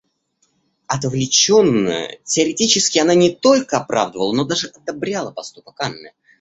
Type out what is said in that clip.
Отвлеченно, теоретически, она не только оправдывала, но даже одобряла поступок Анны.